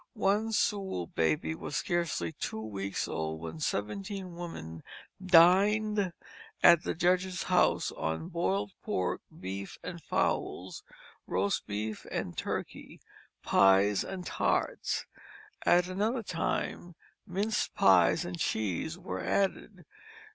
One Sewall baby was scarcely two weeks old when seventeen women dined at the Judge's house, on boiled pork, beef, and fowls; roast beef and turkey; pies and tarts. At another time "minc'd Pyes and cheese" were added.